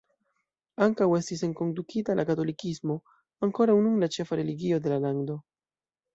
Ankaŭ estis enkondukita la katolikismo, ankoraŭ nun la ĉefa religio de la lando.